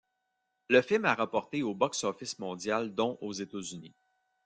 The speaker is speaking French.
Le film a rapporté au box-office mondial dont aux États-Unis.